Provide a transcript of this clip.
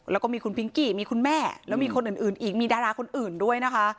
แล้วก็มีคุณพิงกี้มีคุณแม่แล้วมีคนอื่นอีกมีดาราคนอื่นด้วยนะคะ